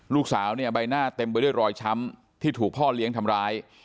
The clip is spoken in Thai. ลูกสาวเนี่ยใบหน้าเต็มไปด้วยรอยช้ำที่ถูกพ่อเลี้ยงทำร้าย